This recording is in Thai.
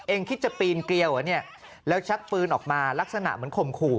คิดจะปีนเกลียวเหรอเนี่ยแล้วชักปืนออกมาลักษณะเหมือนข่มขู่